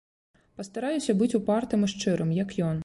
Пастараюся быць упартым і шчырым, як ён.